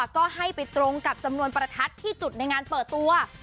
ก็ให้ไปตรงกับจำนวนประทัดที่จุดในงานเปิดตัว